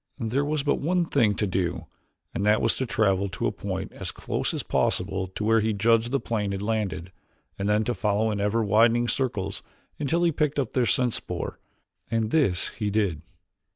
There was but one thing to do and that was to travel to a point as close as possible to where he judged the plane had landed, and then to follow in ever widening circles until he picked up their scent spoor. And this he did.